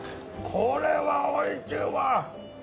これはおいしいわ！